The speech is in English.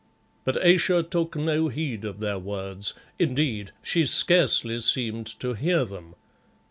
But Ayesha took no heed of their words; indeed, she scarcely seemed to hear them.